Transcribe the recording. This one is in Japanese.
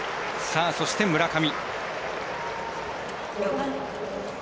そして、村上。